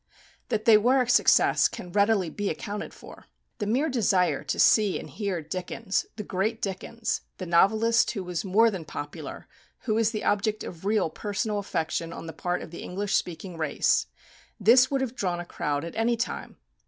That they were a success can readily be accounted for. The mere desire to see and hear Dickens, the great Dickens, the novelist who was more than popular, who was the object of real personal affection on the part of the English speaking race, this would have drawn a crowd at any time.